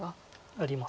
あります。